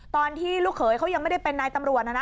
ตอนที่ลูกเขยเขายังไม่ได้เป็นนายตำรวจนะนะ